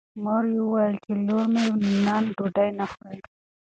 مور یې وویل چې لور مې نن ډوډۍ نه خوري.